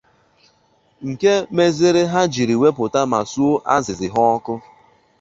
nke mezịrị ha jiri wepụta ma suo azịzị ha ọkụ